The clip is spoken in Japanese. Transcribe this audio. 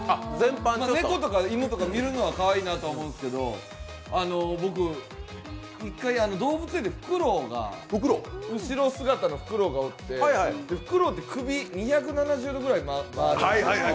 猫とか犬とか見るのはかわいいと思うんですけど僕、一回、動物園で後ろ姿のフクロウがおってフクロウって首、２７０度くらい回るんです。